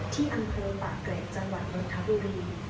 ที่อำเคลปะเก๋จังหวัดนทบุรี